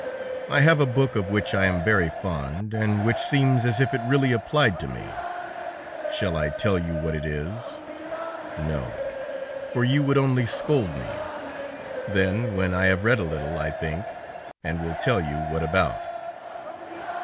I have a book of which I am very fond, and which seems as if it really applied to me. Shall I tell you what it is? No, for you would only scold me. Then, when I have read a little, I think, and will tell you what about.